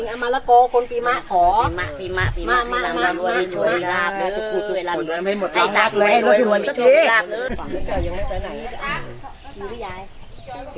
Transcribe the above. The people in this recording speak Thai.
อ๋อลำบากกันหมดแล้วกลับมาเตือนลึก